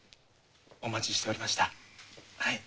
お待ちしておりましたはい。